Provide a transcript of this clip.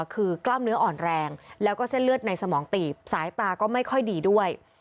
คือกล้ามเนื้ออ่อนแรงแล้วก็เส้นเลือดในสมองตีบสายตาก็ไม่ค่อยดีด้วย